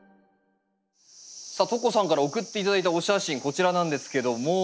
さあとこさんから送って頂いたお写真こちらなんですけども。